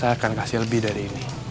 saya akan kasih lebih dari ini